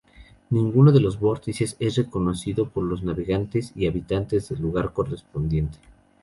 Ninguno de los "vórtices" es reconocido por los navegantes y habitantes del lugar correspondiente.